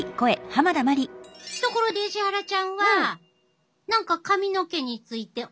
ところで石原ちゃんは何か髪の毛についてお悩みある？